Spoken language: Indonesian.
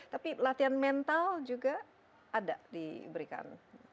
tapi latihan mental juga ada diberikan